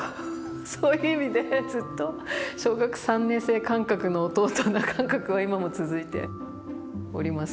そういう意味でずっと小学３年生感覚の弟な感覚が今も続いております。